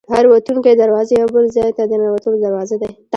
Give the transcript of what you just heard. هره وتونکې دروازه یو بل ځای ته د ننوتلو دروازه ده.